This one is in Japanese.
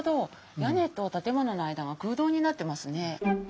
屋根と建物の間が空洞になってますね。